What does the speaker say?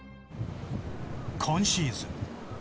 今シーズン。